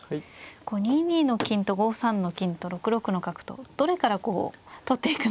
２二の金と５三の金と６六の角とどれからこう取っていくのか。